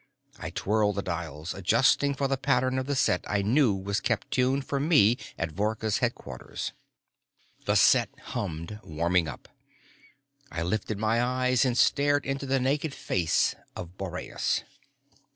I twirled the dials, adjusting for the pattern of the set I knew was kept tuned for me at Vorka's headquarters. The set hummed, warming up. I lifted my eyes and stared into the naked face of Boreas.